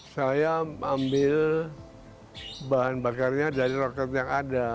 saya ambil bahan bakarnya dari roket yang ada